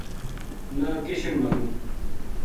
نا کشن ماروں